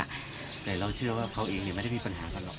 แต่เราเชื่อว่าเขาเองไม่ได้มีปัญหากันหรอก